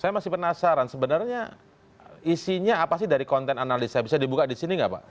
saya masih penasaran sebenarnya isinya apa sih dari konten analisa bisa dibuka di sini nggak pak